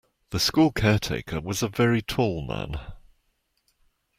The school caretaker was a very tall man